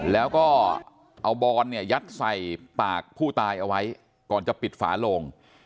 แล้วก็เอาบอนเนี่ยยัดใส่ปากผู้ตายเอาไว้ก่อนจะปิดฝาโลง